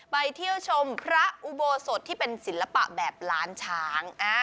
ไปเที่ยวชมพระอุโบสถที่เป็นศิลปะแบบล้านช้าง